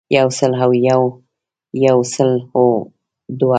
يو سل او يو يو سل او دوه